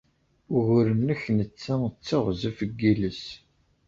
Ugur-nnek netta d teɣzef n yiles.